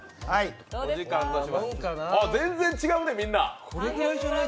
全然違うね、みんな。